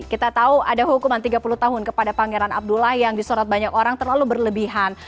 kita tahu ada hukuman tiga puluh tahun kepada pangeran abdullah yang disorot banyak orang terlalu berlebihan